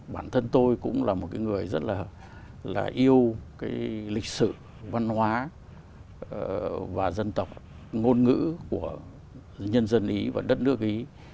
bản thân tôi cũng là một cái người rất là yêu cái lịch sử văn hóa và dân tộc ngôn ngữ của nhân dân ý và đất nước ý